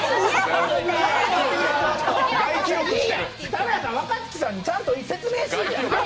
田村さん、若槻さんにちゃんと説明しぃや。